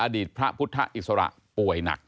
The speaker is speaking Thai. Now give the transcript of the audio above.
อดีตพระพุทธอิสระป่วยหนัก